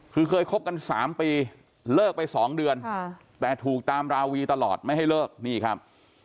คือเคยคบกัน๓ปีเลิกไป๒เดือนแต่ถูกตามราวีตลอดไม่ให้เลิกนี่ครับ